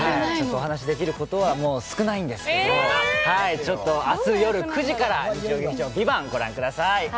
お話しできることは少ないんですけど、明日夜９時から日曜劇場「ＶＩＶＡＮＴ」ご覧ください。